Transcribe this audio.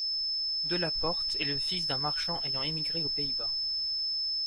De la Porte est le fils d'un marchand ayant immigré aux Pays-Bas.